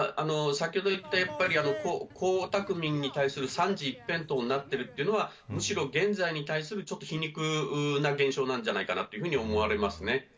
先ほど言ったとおり江沢民氏に対する賛辞一辺倒になっているのはむしろ現在に対するちょっと皮肉な現象じゃないのかなと思われます。